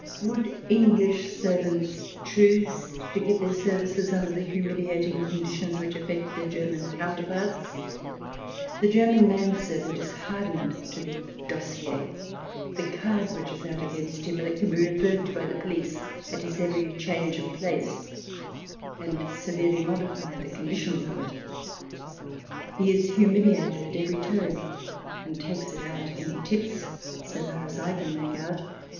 Would English servants choose to give their services under the humiliating conditions which affect their Ger man counterparts? The German man servant is 56 THE DESIRABLE ALIEN [ch. v hardened to the dossier — the card which is out against him, and that can be referred to by the pohce at his every change of place, and severely modify the conditions of it. He is humiliated at every turn, and takes it out in tips, so far as I can make out.